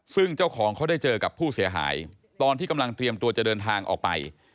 ซึ่งเจ้าของเขาได้เจอกับผู้เสียหายตอนที่กำลังเตรียมตัวจะเดินทางออกไป